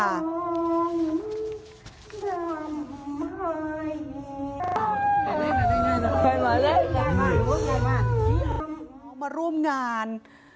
มาร่วมงาน